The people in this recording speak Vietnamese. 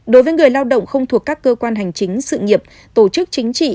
đối với người lao động không thuộc các cơ quan hành chính sự nghiệp tổ chức chính trị